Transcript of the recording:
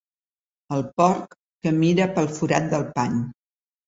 El porc que mira pel forat del pany.